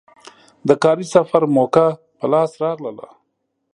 د کاري سفر موکه په لاس راغله.